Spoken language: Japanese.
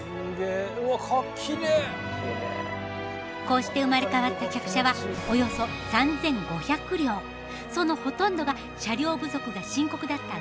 こうして生まれ変わった客車はおよそそのほとんどが車両不足が深刻だった